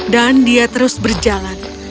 dan dia terus berjalan